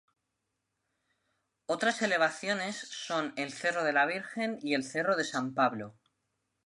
Otras elevaciones son el cerro de la Virgen y el cerro de San Pablo.